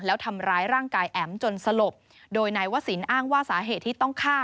แล้วทำร้ายร่างกายแอ๋มจนสลบโดยนายวศิลป์อ้างว่าสาเหตุที่ต้องฆ่า